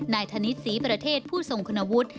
ธนิษฐ์ศรีประเทศผู้ทรงคุณวุฒิ